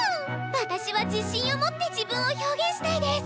私は自信を持って自分を表現したいです！